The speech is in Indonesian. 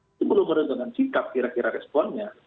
itu belum ada dengan sikap kira kira responnya